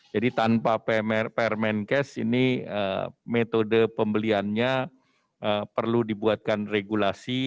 jadi tanpa permenkes ini metode pembeliannya perlu dibuatkan regulasi